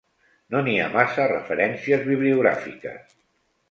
No n'hi ha massa referències bibliogràfiques.